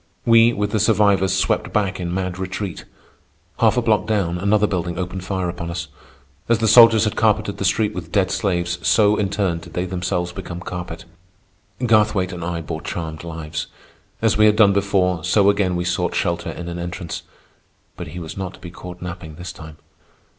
We, with the survivors, swept back in mad retreat. Half a block down another building opened fire on us. As the soldiers had carpeted the street with dead slaves, so, in turn, did they themselves become carpet. Garthwaite and I bore charmed lives. As we had done before, so again we sought shelter in an entrance. But he was not to be caught napping this time.